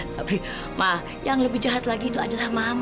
tapi yang lebih jahat lagi itu adalah mama